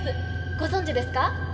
ご存じですか？